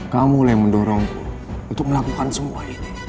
kamu yang mendorongku untuk melakukan semua ini